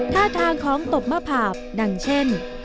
ท่าทางของตบมะผาบดังเช่น